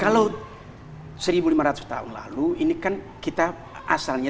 kalau seribu lima ratus tahun lalu ini kan kita asalnya